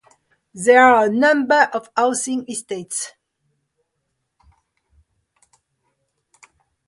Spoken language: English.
There are a number of housing estates.